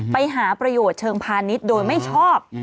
ไปหาประโยชน์เชิงพาณิชย์โดยไม่ชอบ